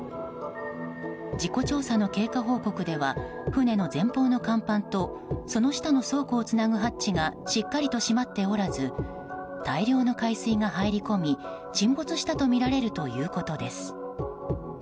事故調査の経過報告では船の前方の甲板とその下の倉庫をつなぐハッチがしっかりと閉まっておらず大量の海水が入り込み沈没したとみられるということです。